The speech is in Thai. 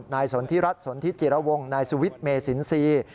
สนทิรัฐสนทิจิระวงนายสุวิทย์เมสินทรีย์